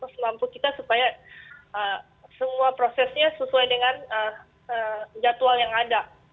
semampu kita supaya semua prosesnya sesuai dengan jadwal yang ada